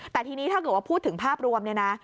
แต่ทีนี้ถ้าเกิดว่าพูดถึงภาพรวมเนี่ยนะ